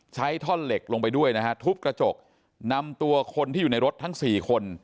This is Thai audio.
ท่อนเหล็กลงไปด้วยนะฮะทุบกระจกนำตัวคนที่อยู่ในรถทั้งสี่คน